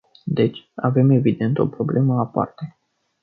Deci, avem evident o problemă aparte.